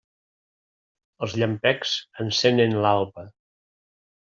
Els llampecs encenen l'alba.